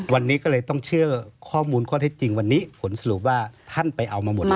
วันนี้ก็เลยต้องเชื่อข้อมูลข้อเท็จจริงวันนี้ผลสรุปว่าท่านไปเอามาหมดแล้ว